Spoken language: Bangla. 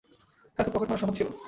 আগে পকেটমারা সহজ ছিলো।